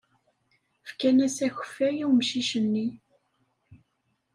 Fkan-as akeffay i umcic-nni.